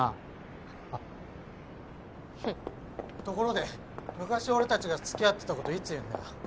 ところで昔俺たちが付き合ってたこといつ言うんだよ？